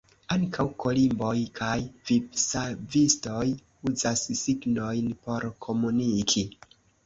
Ankaŭ kolimboj kaj vivsavistoj uzas signojn por komuniki.